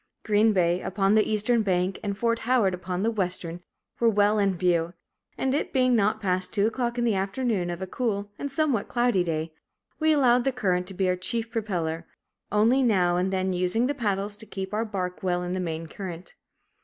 Green Bay, upon the eastern bank and Fort Howard upon the western, were well in view; and, it being not past two o'clock in the afternoon of a cool and somewhat cloudy day, we allowed the current to be our chief propeller, only now and then using the paddles to keep our bark well in the main current.